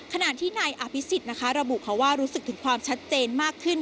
ขณะที่นายอภิษฎนะคะระบุว่ารู้สึกถึงความชัดเจนมากขึ้น